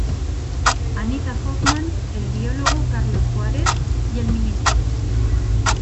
Anita Hoffman, el Biólogo Carlos Juárez y el Mtro.